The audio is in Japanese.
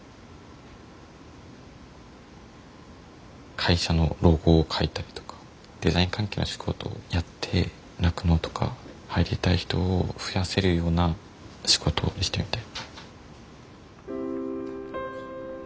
会社のロゴを書いたりとかデザイン関係の仕事をやって酪農とか入りたい人を増やせるような仕事をしてみたい。